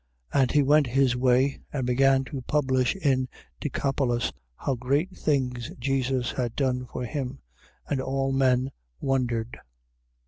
5:20. And he went his way, and began to publish in Decapolis how great things Jesus had done for him: and all men wondered.